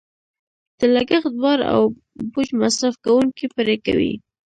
د لګښت بار او بوج مصرف کوونکې پرې کوي.